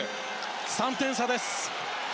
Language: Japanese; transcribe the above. ３点差です。